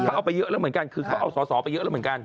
เขาเอาไปเยอะแล้วเหมือนกันคือเขาเอาสอสอไปเยอะแล้วเหมือนกัน